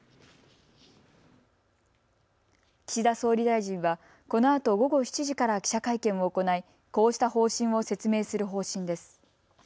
岸田総理大臣は、このあと午後７時から記者会見を行いこうした方針を説明する方針です。